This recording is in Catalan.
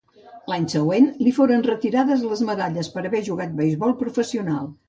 L'any següent, li foren retirades les medalles per haver jugat beisbol professional.